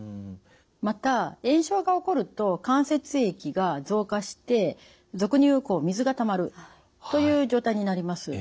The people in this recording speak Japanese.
また炎症が起こると関節液が増加して俗に言う水がたまるという状態になります。